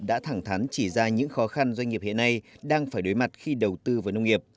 đã thẳng thắn chỉ ra những khó khăn doanh nghiệp hiện nay đang phải đối mặt khi đầu tư vào nông nghiệp